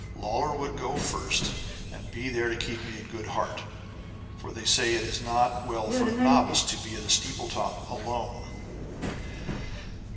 Lawlor would go first, and be there to keep me in good heart, for they say it is not well for a novice to be at a steeple top alone.